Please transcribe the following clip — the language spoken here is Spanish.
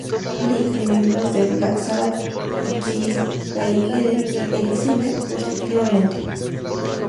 Lee, y miembros de Black Sabbath y Kiss, Ray Gillen y Eric Singer respectivamente.